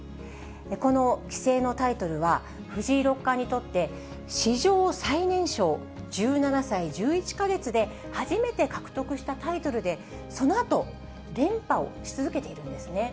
この棋聖のタイトルは、藤井六冠にとって史上最年少１７歳１１か月で初めて獲得したタイトルで、そのあと、連覇をし続けているんですね。